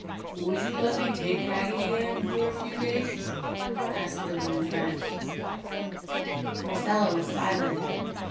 "Would you let me take Raggedy Ann for a few days?" asked the new friend. Marcella was silent.